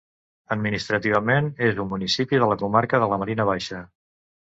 Administrativament és un municipi de la comarca de la Marina Baixa.